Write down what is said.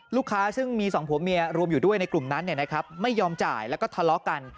ซึ่งมีสองผัวเมียรวมอยู่ด้วยในกลุ่มนั้นไม่ยอมจ่ายแล้วก็ทะเลาะกัน